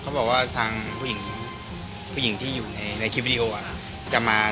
เค้าบอกว่าทางผู้หญิงที่อยู่ในคลิปวิดีโออะ